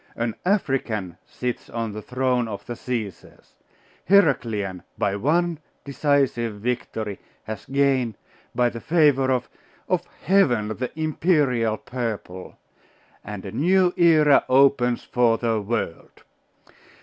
An African sits on the throne of the Caesars! Heraclian, by one decisive victory, has gained, by the favour of of Heaven, the imperial purple; and a new era opens for the world.